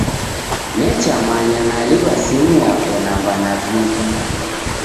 Nechamanya naliw'a simu yapo namba navika